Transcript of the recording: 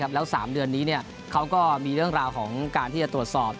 แล้ว๓เดือนนี้เขาก็มีเรื่องราวของการที่จะตรวจสอบ